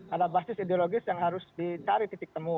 ada basis ideologis yang harus dicari titik temu